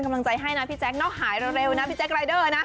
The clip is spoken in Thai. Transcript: กำลังใจให้นะพี่แจ๊คเนอะหายเร็วนะพี่แจ๊กรายเดอร์นะ